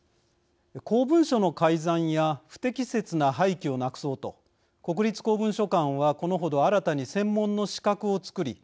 公文書の改ざんや不適切な廃棄をなくそうと国立公文書館はこのほど新たに専門の資格を作り